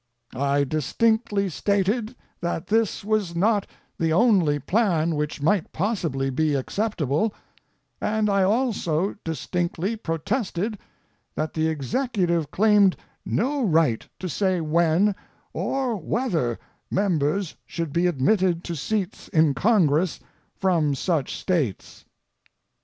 I distinctly stated that this was not the only plan which might possibly be acceptable; and I also distinctly protested that the Executive claimed no right to say when, or whether members should be admitted to seats in Congress from such States.